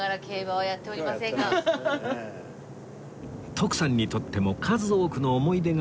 徳さんにとっても数多くの思い出が眠る